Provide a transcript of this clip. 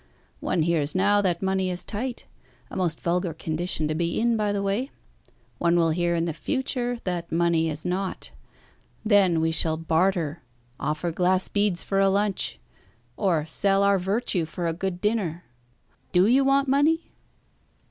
One hears now that money is tight a most vulgar condition to be in by the way; one will hear in the future that money is not. Then we shall barter, offer glass beads for a lunch, or sell our virtue for a good dinner. Do you want money?"